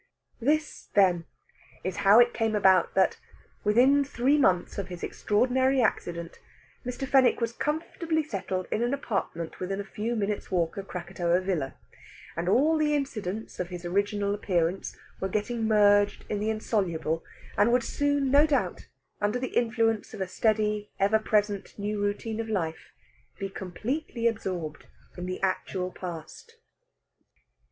This, then, is how it came about that, within three months of his extraordinary accident, Mr. Fenwick was comfortably settled in an apartment within a few minutes' walk of Krakatoa Villa; and all the incidents of his original appearance were getting merged in the insoluble, and would soon, no doubt, under the influence of a steady ever present new routine of life, be completely absorbed in the actual past.